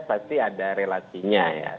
pasti ada relasinya